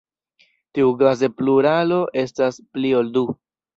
Tiukaze, pluralo estas "pli ol du".